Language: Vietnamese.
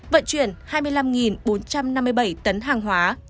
vận chuyển hai mươi năm bốn trăm năm mươi bảy tấn hàng hóa